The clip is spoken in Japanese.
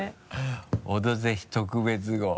「オドぜひ特別号」